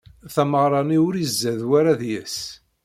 Tameɣra-nni ur izad wara deg-s.